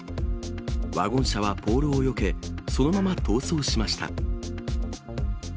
ワゴン車はポールをよけ、そのまま逃走しました。